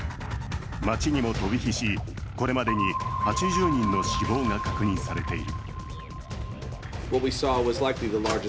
街にも飛び火し、これまでに８０人の死亡が確認されている。